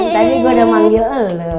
tapi gua udah manggil elu